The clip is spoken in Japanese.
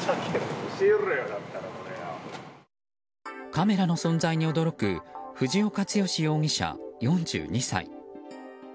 カメラの存在に驚く藤岡剛容疑者、４２歳。